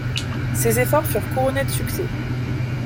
Ses efforts furent couronnés de succès.